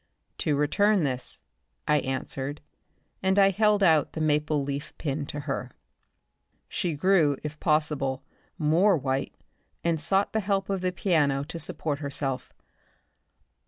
"To return this," I answered. And I held out the maple leaf pin to her. She grew, if possible, more white and sought the help of the piano to support herself.